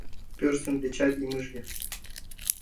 Порсын дечат йымыжге.